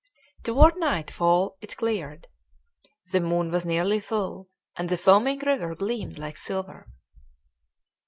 Toward night fall it cleared. The moon was nearly full, and the foaming river gleamed like silver.